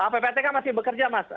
ppatk masih bekerja mas